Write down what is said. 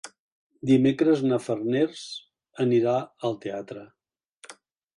Dimecres na Farners anirà al teatre.